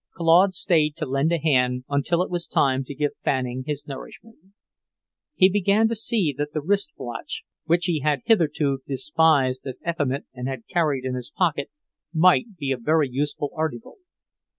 Claude stayed to lend a hand until it was time to give Fanning his nourishment. He began to see that the wrist watch, which he had hitherto despised as effeminate and had carried in his pocket, might be a very useful article.